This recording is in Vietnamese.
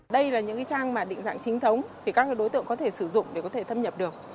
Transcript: đây là những trang mà định dạng chính thống thì các đối tượng có thể sử dụng để có thể thâm nhập được